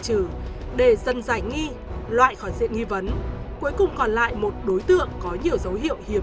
trừ để dần giải nghi loại khỏi diện nghi vấn cuối cùng còn lại một đối tượng có nhiều dấu hiệu hiếm